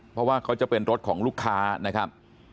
เพราะว่าเขาจะเป็นรถของลูกค้านะครับ